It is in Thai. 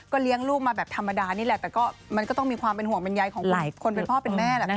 เลี้ยงลูกมาแบบธรรมดานี่แหละแต่ก็มันก็ต้องมีความเป็นห่วงบรรยายของหลายคนเป็นพ่อเป็นแม่แหละ